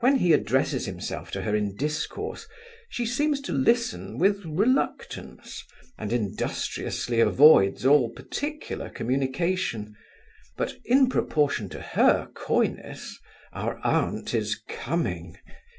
When he addresses himself to her in discourse, she seems to listen with reluctance, and industriously avoids all particular communication; but in proportion to her coyness, our aunt is coming.